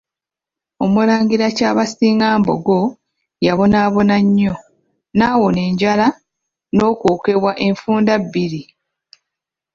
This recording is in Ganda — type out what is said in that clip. Omulangira Kyabasinga Mbogo, yabonaabona nnyo, n'awona enjala n'okwokebwa enfunda bbiri.